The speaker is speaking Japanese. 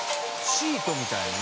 シートみたいな。